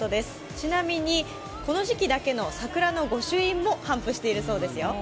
ちなみに、この時期だけの桜の御朱印も頒布しているそうですよ。